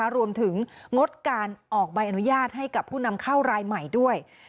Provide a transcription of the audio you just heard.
งดการออกใบอนุญาตให้กับผู้นำเข้ารายใหม่ด้วย